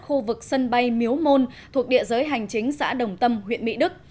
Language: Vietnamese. khu vực sân bay miếu môn thuộc địa giới hành chính xã đồng tâm huyện mỹ đức